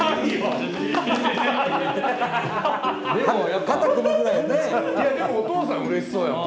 でもお父さんうれしそうやもん。